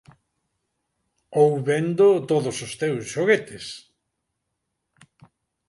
Ou vendo todos os teus xoguetes.